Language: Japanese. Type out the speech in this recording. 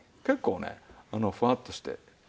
結構ねフワッとして。